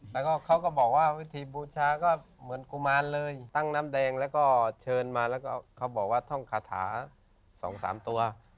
แล้วก็เขาก็บอกว่าวิธีบูชาก็เหมือนกุมารเลยตั้งน้ำแดงแล้วก็เชิญมาแล้วก็เขาบอกว่าท่องคาถา๒๓ตัว